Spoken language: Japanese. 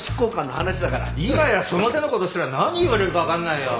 今やその手の事をしたら何言われるかわかんないよ。